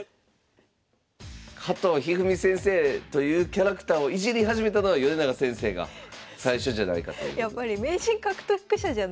加藤一二三先生というキャラクターをイジり始めたのが米長先生が最初じゃないかという。ですよね。